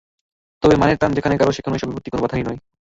তবে মানের টান যেখানে গাঢ়, সেখানে এসব বিপত্তি কোনো বাধাই নয়।